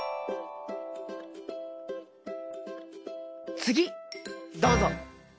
つぎどうぞ！